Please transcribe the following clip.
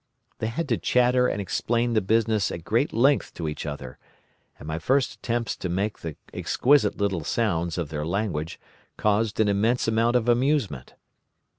They had to chatter and explain the business at great length to each other, and my first attempts to make the exquisite little sounds of their language caused an immense amount of genuine, if uncivil, amusement.